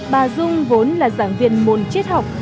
bà dung vốn là giảng viên môn triết học